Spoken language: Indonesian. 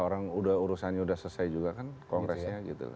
orang udah urusannya udah selesai juga kan kongresnya gitu